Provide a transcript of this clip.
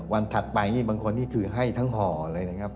ถัดไปนี่บางคนนี่คือให้ทั้งห่อเลยนะครับ